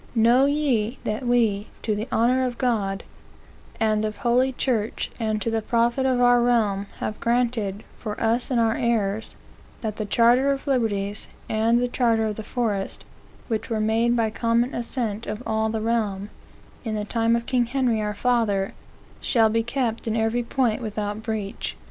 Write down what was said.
Know ye, that We, to the honor of Cod, and of Holy Church, and to the profit of our Realm, have granted, for us and our heirs, that the Charter of Liberties, and the Charter of the Forest, which were made by common assent of all the Realm, in the time of King Henry our Father, shall be kept in every point without breach.